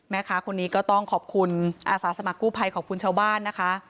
แม่ค้าคนนี้ก็ต้องขอบคุณอาสาสมัครกู้ภัยขอบคุณชาวบ้านนะคะ